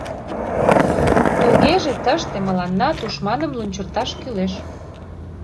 — Тугеже, тыште мыланна тушманым лунчырташ кӱлеш.